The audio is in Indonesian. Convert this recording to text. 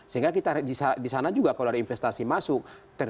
sehingga kita di sana juga kalau ada investasi masuk